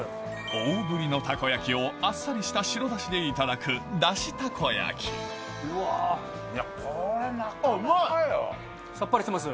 大ぶりのたこ焼をあっさりした白出汁でいただくこれなかなかよ。さっぱりしてます？